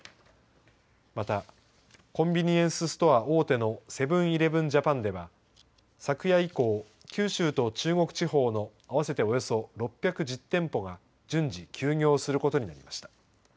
またコンビニエンスストア大手のセブン−イレブン・ジャパンでは昨夜以降、九州と中国地方の合わせておよそ６１０店舗が順次、休業することになりました。